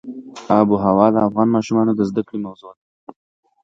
آب وهوا د افغان ماشومانو د زده کړې موضوع ده.